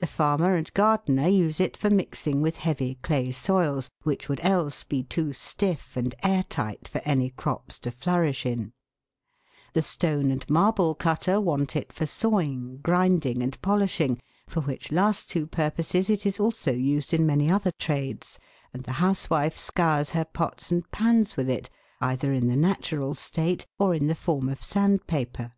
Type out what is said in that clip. The farmer and gardener use it for mixing with heavy clay soils, which would else be too stiff and air tight for any crops to flourish in ; the stone and marble cutter want it for sawing, grinding, and polishing, tor which last two purposes it is also used in many other trades, and the housewife scours her pots and pans with it, either in the natural state or in the form of sand paper.